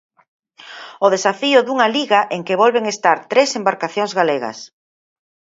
O desafío dunha Liga en que volven estar tres embarcacións galegas.